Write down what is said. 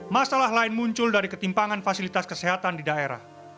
masalah lain muncul dari ketimpangan fasilitas kesehatan di daerah